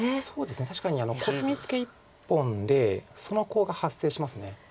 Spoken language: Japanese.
確かにコスミツケ１本でそのコウが発生します。